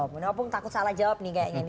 menurut opung takut salah jawab nih kayaknya ini